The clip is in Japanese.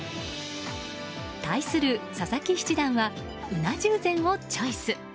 対する佐々木七段はうな重膳をチョイス。